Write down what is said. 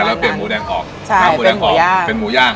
เราเปลี่ยนหมูแดงออกทำหมูแดงออกเป็นหมูย่าง